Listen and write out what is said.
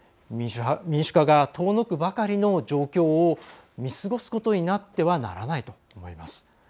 民主化が遠のくばかりの状況を見過ごすことになってはならないと思います。